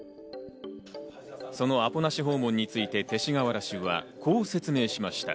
そのアポなし訪問について勅使河原氏はこう説明しました。